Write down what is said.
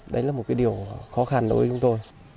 đấy là một cái điều khó khăn đối với chúng tôi